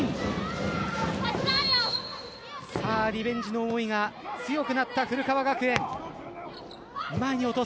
リベンジの思いが強くなった古川学園。